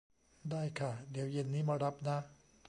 ได้ค่ะ เดี๋ยวเย็นนี้มารับนะ